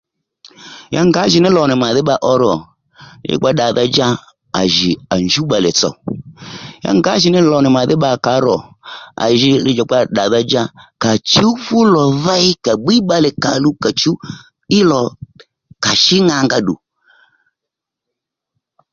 Ya ngǎjìní lò nì màdhí bba ó ro li djùkpa ddàdha-dja à jì à njúw bbalè tsò Ya ngǎjìní lò nì màdhí bbakǎ ro à ji li djùkpa ddàdha-dja kà chǔw fú lò dhey kà bbíy bbalè kaòluw kà chǔw í lò à shí ŋangá ddù